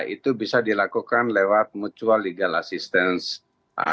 itu bisa dilakukan lewat mutual legal assistance